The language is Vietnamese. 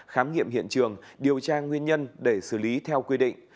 khám nghiệm hiện trường điều tra nguyên nhân để xử lý theo quy định